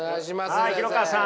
廣川さん